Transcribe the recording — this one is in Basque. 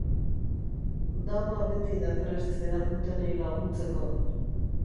Dama beti da prest behar dutenei laguntzeko.